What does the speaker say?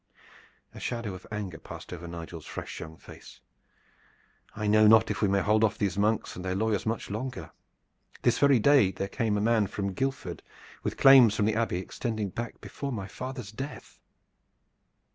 A shadow of anger passed over Nigel's fresh young face. "I know not if we may hold off these monks and their lawyers much longer. This very day there came a man from Guildford with claims from the Abbey extending back before my father's death."